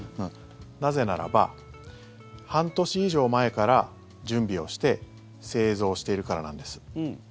なぜならば半年以上前から準備をして製造しているからなんです。